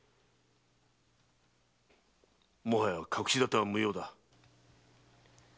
もはや隠し立ては無用だ。